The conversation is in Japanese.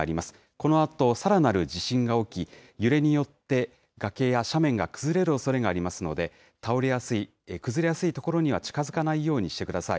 このあとさらなる地震が起き、揺れによって崖や斜面が崩れるおそれがありますので、倒れやすい、崩れやすい所には近づかないようにしてください。